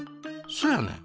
そやねん。